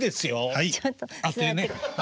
はい。